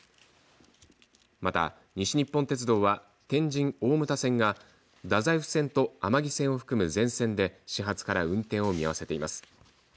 また西日本鉄道は天神大牟田線が太宰府線と甘木線を含む前線で始発から運転を見合わせています。